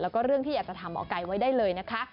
แล้วก็เรื่องที่อยากจะถามหมอไก่ไว้ได้เลยนะคะ